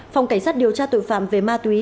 phòng cảnh sát điều tra tội phạm về ma túy